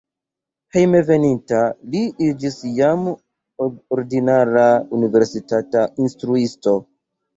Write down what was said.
Hejmenveninta li iĝis jam ordinara universitata instruisto.